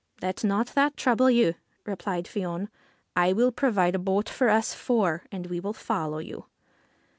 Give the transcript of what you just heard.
' Let not that trouble you," replied Fion. ' I will provide a boat for us four, and we will follow you.'